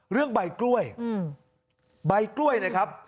เรื่องใบกล้วยใบกล้วยนะครับ